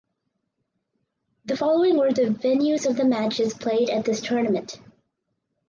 The following were the venues of the matches played at this tournament.